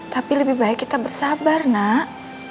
tapi lebih baik kita bersabar nak